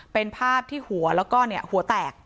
เป็นภาพที่หัวแล้วก็หัวแตก